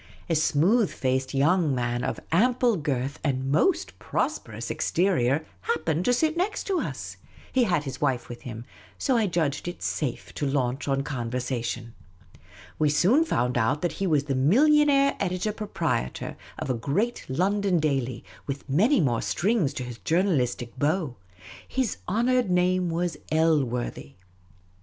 A smooth faced young man of ample girth and most prosperous exterior happened to sit next us. He had his wife with him, so I judged it safe to launch on conversa tion. We soon found out that he was the millionaire editor proprietor of a great London daily, with many more strings to his journalistic bow ; his honoured name was Elworthy.